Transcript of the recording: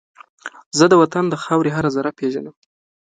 زه د وطن د خاورې هر زره پېژنم